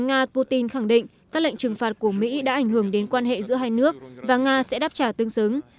tổng thống nga vladimir putin khẳng định các lệnh trừng phạt của mỹ đã ảnh hưởng đến quan hệ giữa hai nước và nga sẽ đáp trả tương xứng